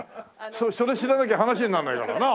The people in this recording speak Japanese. それ知らなきゃ話にならないからなあ。